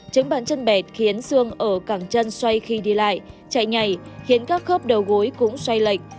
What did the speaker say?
trứng bàn chân bẹt khiến xương ở cảng chân xoay khi đi lại chạy nhảy khiến các khớp đầu gối cũng xoay lệch